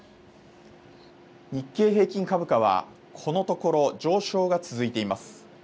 日経平均株価はこのところ上昇が続いています。